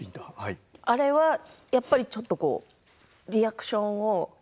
あれは、やっぱりちょっとリアクションを。